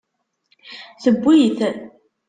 Tewwi-t.